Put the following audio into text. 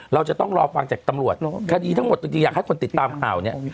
เราจะต้องรอฟังจากตำรวจคดีทั้งหมดจริงอยากให้คนติดตามข่าวเนี่ย